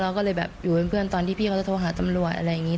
ก็เลยแบบอยู่เป็นเพื่อนตอนที่พี่เขาจะโทรหาตำรวจอะไรอย่างนี้